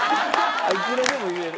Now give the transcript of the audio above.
いくらでも言える。